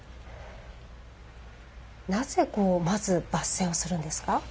なぜまず抜染をするんですか。